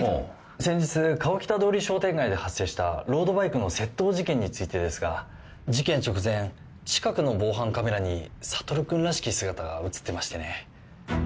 先日川北通り商店街で発生したロードバイクの窃盗事件についてですが事件直前近くの防犯カメラに悟君らしき姿が写ってましてね。